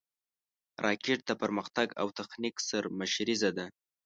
راکټ د پرمختګ او تخنیک سرمشریزه ده